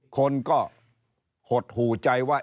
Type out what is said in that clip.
คนก็หดหูใจว่า